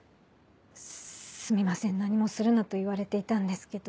すみません何もするなと言われていたんですけど。